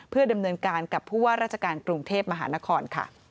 เพื่อดำเนินการกับผู้ว่าราชการกรุงเทพมหานคร